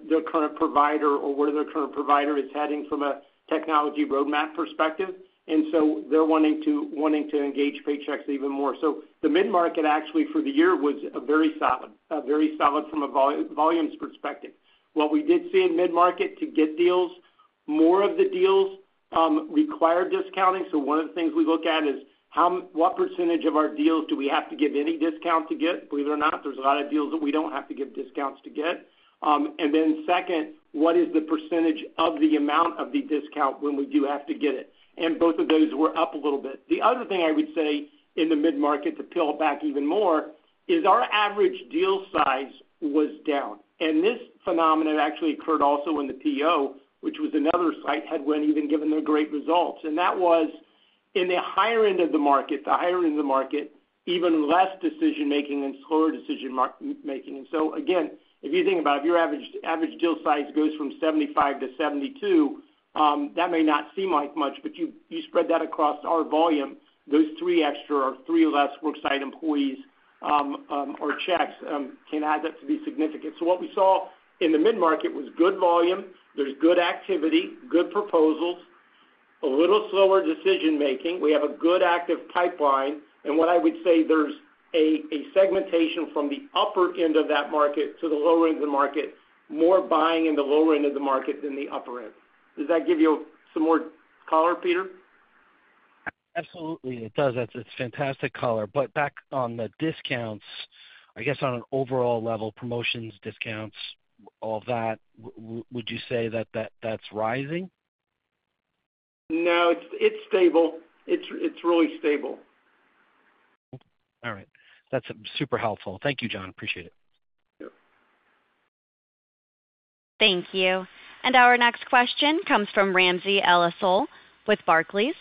their current provider or where their current provider is heading from a technology roadmap perspective. And so they're wanting to engage Paychex even more. So the mid-market actually for the year was very solid, very solid from a volumes perspective. What we did see in mid-market to get deals, more of the deals required discounting. So one of the things we look at is what percentage of our deals do we have to give any discount to get? Believe it or not, there's a lot of deals that we don't have to give discounts to get. And then second, what is the percentage of the amount of the discount when we do have to get it? And both of those were up a little bit. The other thing I would say in the mid-market to peel back even more is our average deal size was down. And this phenomenon actually occurred also in the PEO, which was another size headwind even given the great results. And that was in the higher end of the market, the higher end of the market, even less decision-making and slower decision-making. And so again, if you think about it, if your average deal size goes from 75-72, that may not seem like much, but you spread that across our volume, those three extra or three less worksite employees or checks can add up to be significant. So what we saw in the mid-market was good volume. There's good activity, good proposals, a little slower decision-making. We have a good active pipeline. And what I would say, there's a segmentation from the upper end of that market to the lower end of the market, more buying in the lower end of the market than the upper end. Does that give you some more color, Peter? Absolutely it does. It's fantastic color. But back on the discounts, I guess on an overall level, promotions, discounts, all that, would you say that that's rising? No it's stable. It's really stable. All right that's super helpful. Thank you John. Appreciate it. Yep. Thank you. Our next question comes from Ramsey El-Assal with Barclays.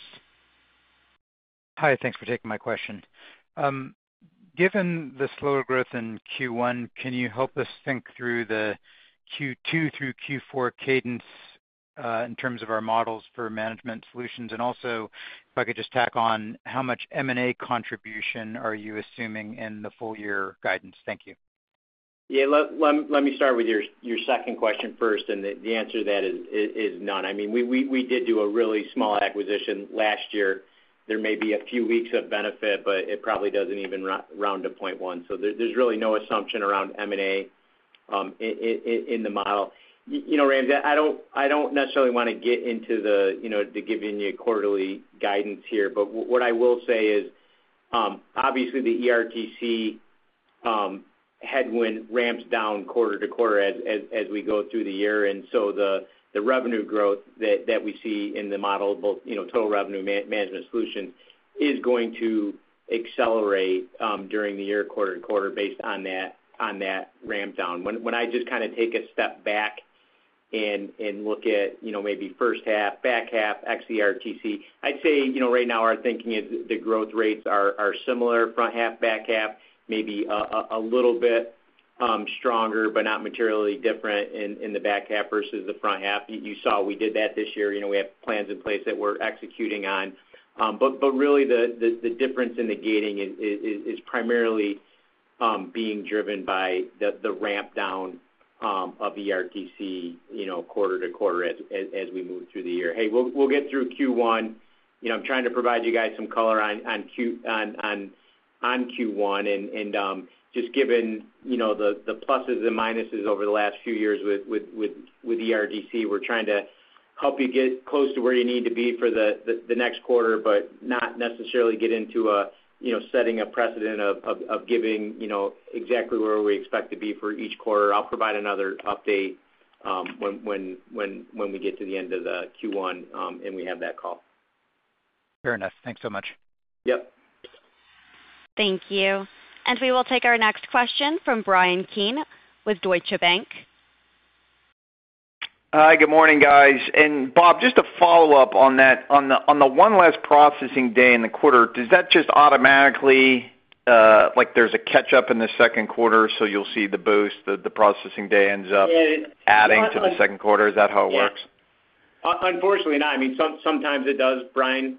Hi. Thanks for taking my question. Given the slower growth in Q1, can you help us think through the Q2 through Q4 cadence in terms of our models for management solutions? And also, if I could just tack on, how much M&A contribution are you assuming in the full year guidance? Thank you. Yeah. Let me start with your second question first. And the answer to that is none. I mean, we did do a really small acquisition last year. There may be a few weeks of benefit, but it probably doesn't even round to 0.1. So there's really no assumption around M&A in the model. You know, Ramsey, I don't necessarily want to get into the giving you quarterly guidance here. But what I will say is, obviously, the ERTC headwind ramps down quarter-to-quarter as we go through the year. And so the revenue growth that we see in the model, both total revenue management solutions, is going to accelerate during the year, quarter-to-quarter, based on that ramp down. When I just kind of take a step back and look at maybe first half, back half ex-ERTC, I'd say right now our thinking is the growth rates are similar: front half, back half, maybe a little bit stronger, but not materially different in the back half versus the front half. You saw we did that this year. We have plans in place that we're executing on. But really, the difference in the gating is primarily being driven by the ramp down of ERTC quarter-to-quarter as we move through the year. Hey, we'll get through Q1. I'm trying to provide you guys some color on Q1. And just given the pluses and minuses over the last few years with ERTC, we're trying to help you get close to where you need to be for the next quarter, but not necessarily get into setting a precedent of giving exactly where we expect to be for each quarter. I'll provide another update when we get to the end of the Q1 and we have that call. Fair enough. Thanks so much. Yep. Thank you. We will take our next question from Bryan Keane with Deutsche Bank. Hi. Good morning, guys. Bob, just a follow-up on that. On the one less processing day in the quarter, does that just automatically like there's a catch-up in the second quarter, so you'll see the boost, the processing day ends up adding to the second quarter? Is that how it works? Unfortunately, not. I mean, sometimes it does, Bryan.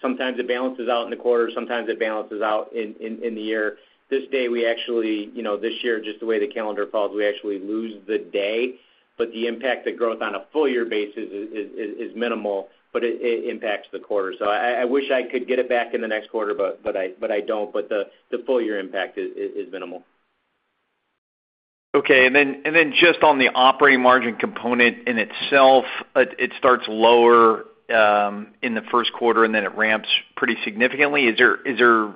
Sometimes it balances out in the quarter. Sometimes it balances out in the year. This year, we actually this year, just the way the calendar falls, we actually lose the day. But the impact of growth on a full year basis is minimal, but it impacts the quarter. So I wish I could get it back in the next quarter, but I don't. But the full year impact is minimal. Okay. And then just on the operating margin component in itself, it starts lower in the first quarter, and then it ramps pretty significantly. Is there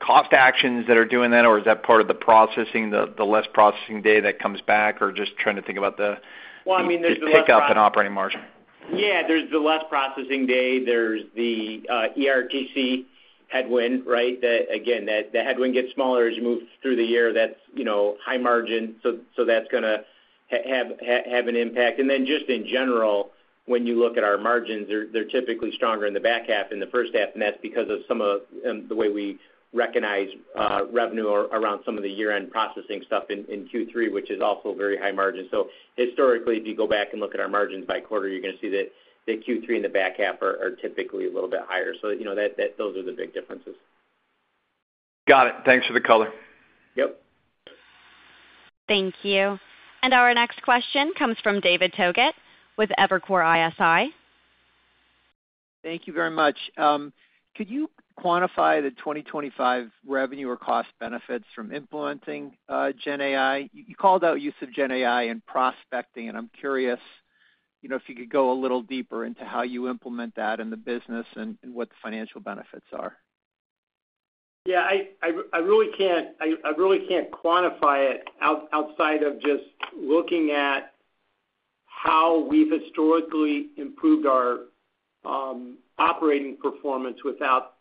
cost actions that are doing that, or is that part of the processing, the less processing day that comes back, or just trying to think about the pickup in operating margin? Yeah. There's the less processing day. There's the ERTC headwind, right? Again, the headwind gets smaller as you move through the year. That's high margin. So that's going to have an impact. And then just in general, when you look at our margins, they're typically stronger in the back half than the first half. And that's because of some of the way we recognize revenue around some of the year-end processing stuff in Q3, which is also very high margin. So historically, if you go back and look at our margins by quarter, you're going to see that Q3 and the back half are typically a little bit higher. So those are the big differences. Got it. Thanks for the color. Yep. Thank you. And our next question comes from David Togut with Evercore ISI. Thank you very much. Could you quantify the 2025 revenue or cost benefits from implementing GenAI? You called out use of GenAI in prospecting, and I'm curious if you could go a little deeper into how you implement that in the business and what the financial benefits are? Yeah. I really can't quantify it outside of just looking at how we've historically improved our operating performance without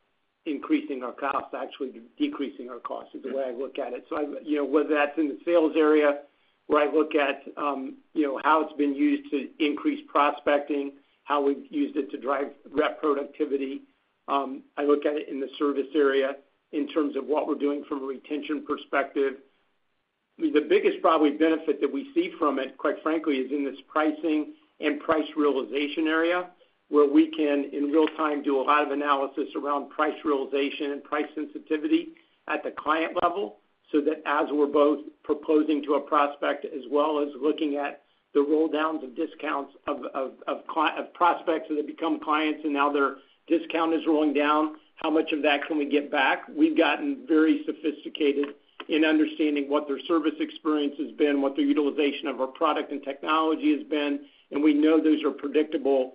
increasing our costs, actually decreasing our costs is the way I look at it. So whether that's in the sales area, where I look at how it's been used to increase prospecting, how we've used it to drive rep productivity. I look at it in the service area in terms of what we're doing from a retention perspective. The biggest probably benefit that we see from it, quite frankly, is in this pricing and price realization area, where we can in real time do a lot of analysis around price realization and price sensitivity at the client level so that as we're both proposing to a prospect as well as looking at the roll-downs of discounts of prospects that have become clients and now their discount is rolling down, how much of that can we get back? We've gotten very sophisticated in understanding what their service experience has been, what their utilization of our product and technology has been. We know those are predictable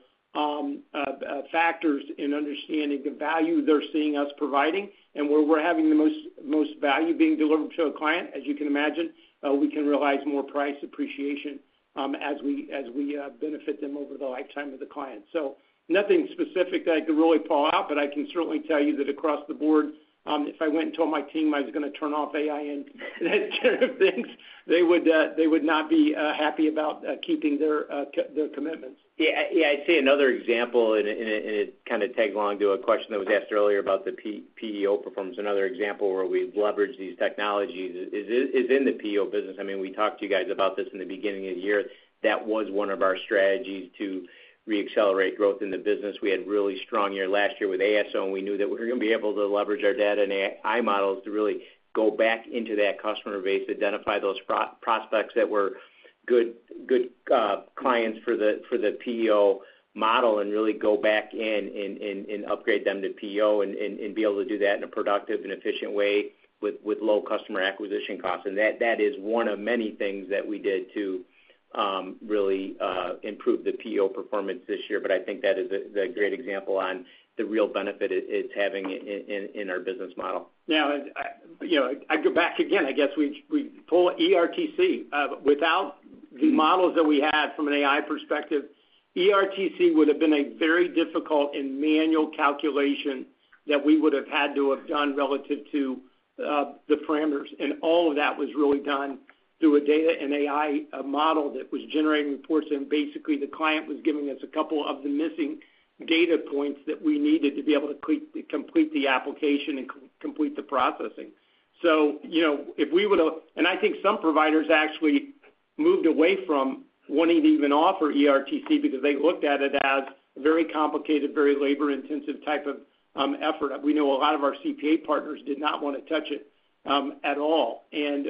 factors in understanding the value they're seeing us providing. Where we're having the most value being delivered to a client, as you can imagine, we can realize more price appreciation as we benefit them over the lifetime of the client. So nothing specific that I could really pull out, but I can certainly tell you that across the board, if I went and told my team I was going to turn off AI and that sort of thing, they would not be happy about keeping their commitments. Yeah. I see another example, and it kind of tags along to a question that was asked earlier about the PEO performance. Another example where we've leveraged these technologies is in the PEO business. I mean, we talked to you guys about this in the beginning of the year. That was one of our strategies to re-accelerate growth in the business. We had a really strong year last year with ASO, and we knew that we were going to be able to leverage our data and AI models to really go back into that customer base, identify those prospects that were good clients for the PEO model, and really go back in and upgrade them to PEO and be able to do that in a productive and efficient way with low customer acquisition costs. That is one of many things that we did to really improve the PEO performance this year. I think that is a great example on the real benefit it's having in our business model. Now, I'd go back again. I guess we pull ERTC. Without the models that we have from an AI perspective, ERTC would have been a very difficult and manual calculation that we would have had to have done relative to the parameters. And all of that was really done through a data and AI model that was generating reports. And basically, the client was giving us a couple of the missing data points that we needed to be able to complete the application and complete the processing. So if we would have, and I think some providers actually moved away from wanting to even offer ERTC because they looked at it as a very complicated, very labor-intensive type of effort. We know a lot of our CPA partners did not want to touch it at all. And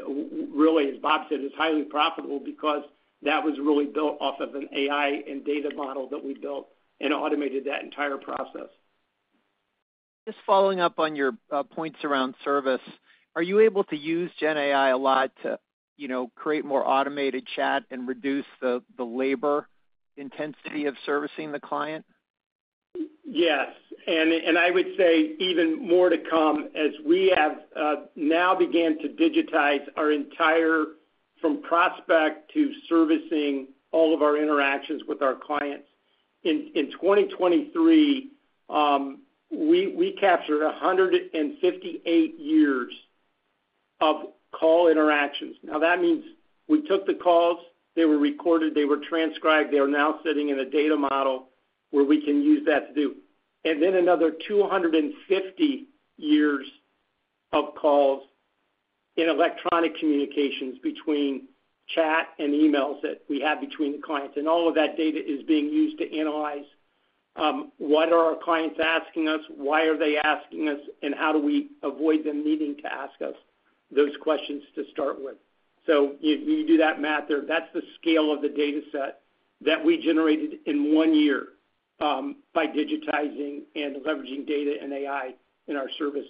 really, as Bob said, it's highly profitable because that was really built off of an AI and data model that we built and automated that entire process. Just following up on your points around service, are you able to use GenAI a lot to create more automated chat and reduce the labor intensity of servicing the client? Yes. And I would say even more to come as we have now began to digitize our entire, from prospect to servicing, all of our interactions with our clients. In 2023, we captured 158 years of call interactions. Now, that means we took the calls. They were recorded. They were transcribed. They are now sitting in a data model where we can use that to do. And then another 250 years of calls in electronic communications between chat and emails that we have between the clients. And all of that data is being used to analyze what are our clients asking us, why are they asking us, and how do we avoid them needing to ask us those questions to start with? So you do that math there. That's the scale of the dataset that we generated in one year by digitizing and leveraging data and AI in our service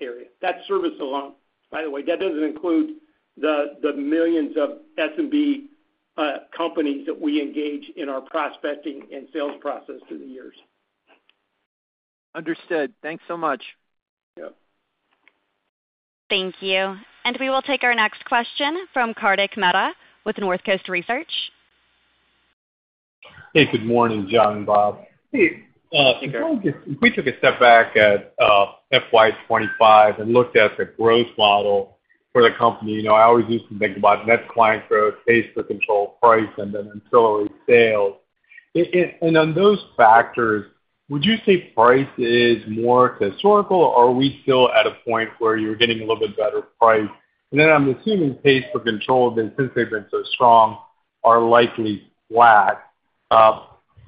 area. That's service alone, by the way. That doesn't include the millions of SMB companies that we engage in our prospecting and sales process through the years. Understood thanks so much. Yep. Thank you. And we will take our next question from Kartik Mehta with Northcoast Research. Hey good morning John and Bob. Hey. We took a step back at FY2025 and looked at the growth model for the company. I always used to think about net client growth, pays per control, price, and then ancillary sales. On those factors, would you say price is more historical, or are we still at a point where you're getting a little bit better price? Then I'm assuming pays per control then, since they've been so strong, are likely flat.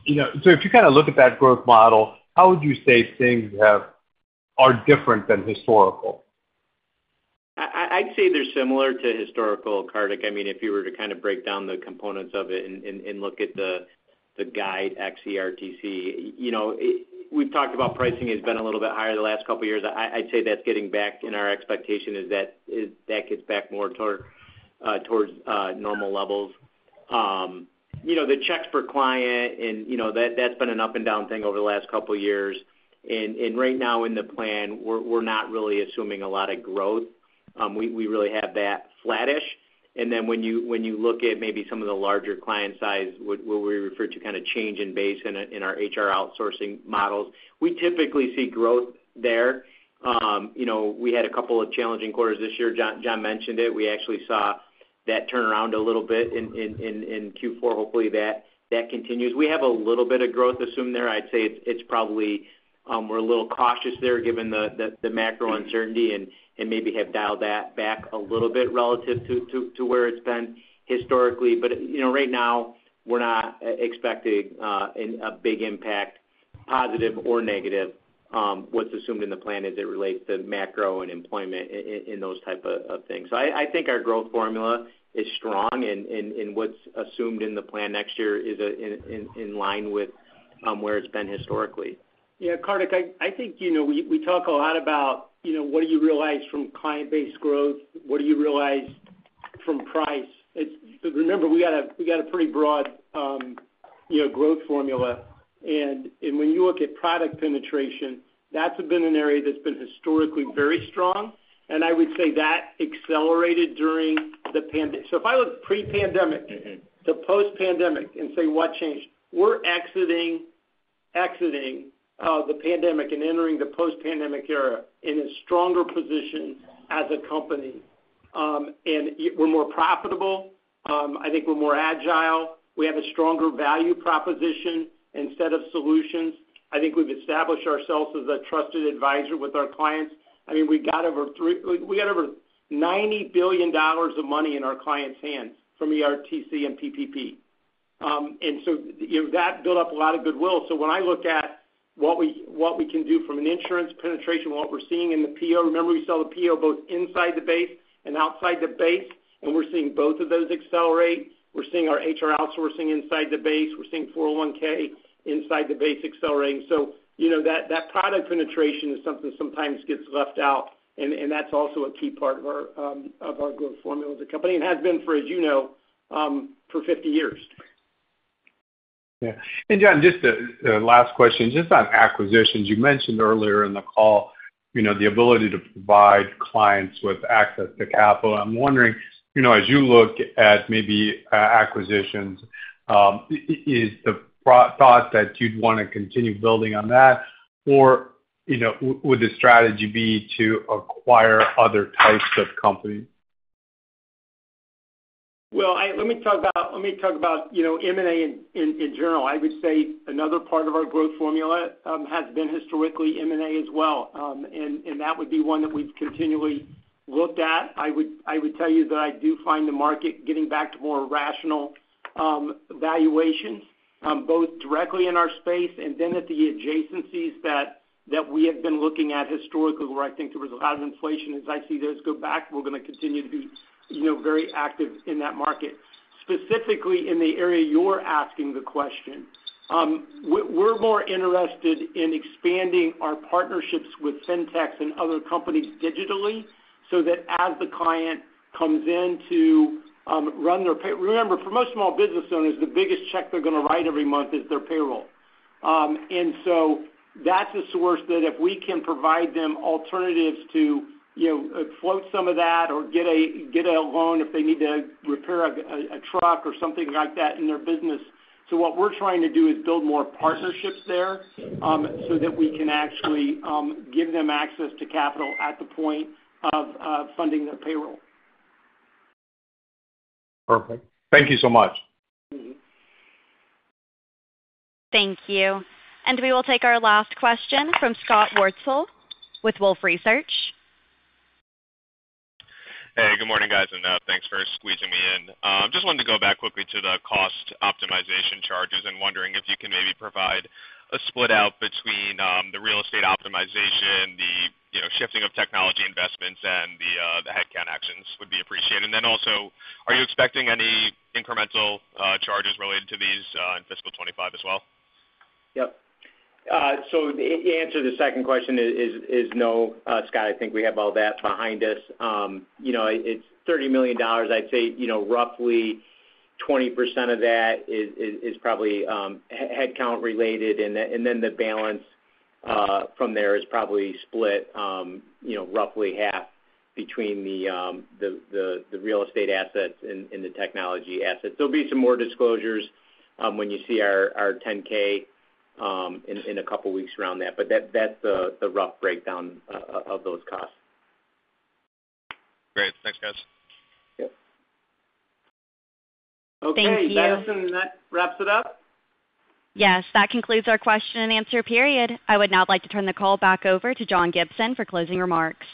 If you kind of look at that growth model, how would you say things are different than historical? I'd say they're similar to historical, Kartik. I mean, if you were to kind of break down the components of it and look at the guidance ERTC, we've talked about pricing has been a little bit higher the last couple of years. I'd say that's getting back in our expectation is that that gets back more towards normal levels. The checks per client, and that's been an up-and-down thing over the last couple of years. And right now in the plan, we're not really assuming a lot of growth. We really have that flattish. And then when you look at maybe some of the larger client size, what we refer to kind of change in base in our HR outsourcing models, we typically see growth there. We had a couple of challenging quarters this year. John mentioned it. We actually saw that turn around a little bit in Q4. Hopefully, that continues. We have a little bit of growth assumed there. I'd say it's probably we're a little cautious there given the macro uncertainty and maybe have dialed that back a little bit relative to where it's been historically. But right now, we're not expecting a big impact, positive or negative. What's assumed in the plan as it relates to macro and employment and those types of things. So I think our growth formula is strong, and what's assumed in the plan next year is in line with where it's been historically. Yeah. Kartik, I think we talk a lot about what do you realize from client-based growth? What do you realize from price? Remember, we got a pretty broad growth formula. And when you look at product penetration, that's been an area that's been historically very strong. And I would say that accelerated during the pandemic. So if I look pre-pandemic to post-pandemic and say what changed, we're exiting the pandemic and entering the post-pandemic era in a stronger position as a company. And we're more profitable. I think we're more agile. We have a stronger value proposition instead of solutions. I think we've established ourselves as a trusted advisor with our clients. I mean, we got over $90 billion of money in our clients' hands from ERTC and PPP. And so that built up a lot of goodwill. So when I look at what we can do from an insurance penetration, what we're seeing in the PEO, remember we sell the PEO both inside the base and outside the base, and we're seeing both of those accelerate. We're seeing our HR outsourcing inside the base. We're seeing 401(k) inside the base accelerating. So that product penetration is something that sometimes gets left out. And that's also a key part of our growth formula as a company. It has been for, as you know, for 50 years. Yeah. John, just a last question. Just on acquisitions, you mentioned earlier in the call the ability to provide clients with access to capital. I'm wondering, as you look at maybe acquisitions, is the thought that you'd want to continue building on that, or would the strategy be to acquire other types of companies? Well, let me talk about M&A in general. I would say another part of our growth formula has been historically M&A as well. That would be one that we've continually looked at. I would tell you that I do find the market getting back to more rational valuations, both directly in our space and then at the adjacencies that we have been looking at historically, where I think there was a lot of inflation. As I see those go back, we're going to continue to be very active in that market. Specifically in the area you're asking the question, we're more interested in expanding our partnerships with fintechs and other companies digitally so that as the client comes in to run their payroll, remember, for most small business owners, the biggest check they're going to write every month is their payroll. So that's a source that if we can provide them alternatives to float some of that or get a loan if they need to repair a truck or something like that in their business. So what we're trying to do is build more partnerships there so that we can actually give them access to capital at the point of funding their payroll. Perfect. Thank you so much. Thank you. We will take our last question from Scott Wurtzel with Wolfe Research. Hey. Good morning, guys. And thanks for squeezing me in. I just wanted to go back quickly to the cost optimization charges and wondering if you can maybe provide a split out between the real estate optimization, the shifting of technology investments, and the headcount actions would be appreciated. And then also, are you expecting any incremental charges related to these in fiscal 2025 as well? Yep. So the answer to the second question is no, Scott. I think we have all that behind us. It's $30 million. I'd say roughly 20% of that is probably headcount related. And then the balance from there is probably split roughly half between the real estate assets and the technology assets. There'll be some more disclosures when you see our 10-K in a couple of weeks around that. But that's the rough breakdown of those costs. Great thanks guys. Yep. Thank you. Okay. Madison, that wraps it up. Yes. That concludes our question and answer period. I would now like to turn the call back over to John Gibson for closing remarks.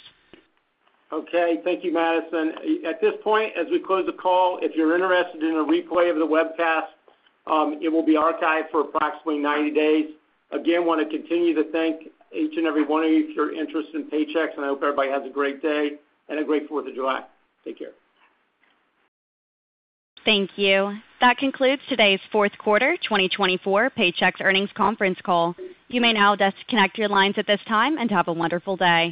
Okay. Thank you, Madison. At this point, as we close the call, if you're interested in a replay of the webcast, it will be archived for approximately 90 days. Again, want to continue to thank each and every one of you for your interest in Paychex. And I hope everybody has a great day and a great 4th of July. Take care. Thank you. That concludes today's 4th Quarter 2024 Paychex Earnings Conference Call. You may now disconnect your lines at this time and have a wonderful day.